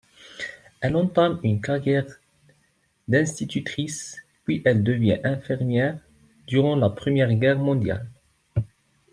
Elle entame une carrière d'institutrice puis elle devient infirmière durant la Première Guerre mondiale.